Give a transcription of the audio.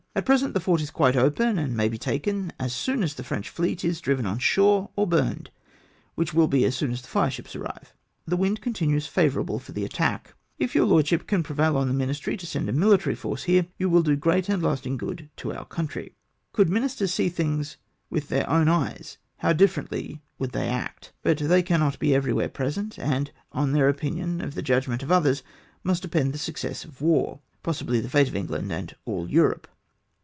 At present the fort is quite open, and may be taken as soon as the French fleet is driven on shore or burned, which will be as soon as the fire ships arrive. The T\dnd continues favourable for the attack. If your lordship can prevail on the ministry to send a military force here, you will do great and lasting good to our country. "Could ministers see things with their own eyes, how differently would they act ; but they cannot be everywhere present, and on their opinion of the judgment of others must depend the success of war — possibly the fate of England and all Europe.